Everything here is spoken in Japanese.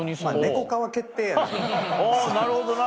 なるほどな。